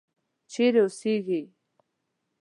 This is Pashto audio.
چیرې اوسیږې.